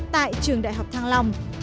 tại trường đại học thăng long